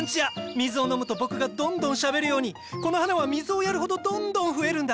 水を飲むと僕がどんどんしゃべるようにこの花は水をやるほどどんどん増えるんだ。